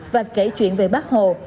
và kể chuyện về bác hồ